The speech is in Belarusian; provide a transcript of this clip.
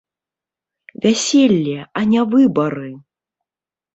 Вяселле, а не выбары!